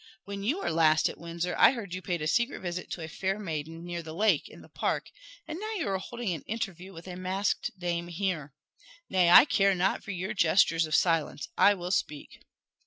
When you were last at Windsor, I heard you paid a secret visit to a fair maiden near the lake in the park, and now you are holding an interview with a masked dame here. Nay, I care not for your gestures of silence. I will speak."